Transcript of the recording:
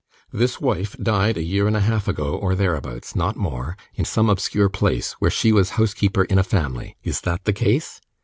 This wife died a year and a half ago, or thereabouts not more in some obscure place, where she was housekeeper in a family. Is that the case?